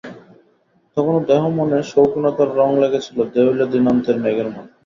তখনও দেহে মনে শৌখিনতার রঙ লেগে ছিল দেউলে দিনান্তের মেঘের মতো।